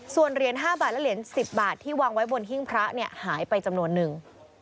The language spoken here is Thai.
ส่วนเหรียญ๕บาทและเหรียญ๑๐บาทที่วางไว้บนหิ้งพระเนี่ยหายไปจำนวนนึง